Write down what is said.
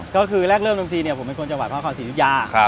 ก็คือเริ่มต้นทีผมเป็นคนจังหวายพทธิพรศีรียศุยา